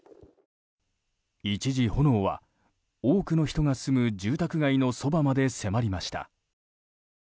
一時、炎は多くの人が住む住宅街のそばまで迫りました。